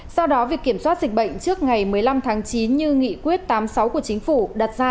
do đó việc kiểm soát dịch bệnh trước ngày một mươi năm tháng chín như nghị quyết tám mươi sáu của chính phủ đặt ra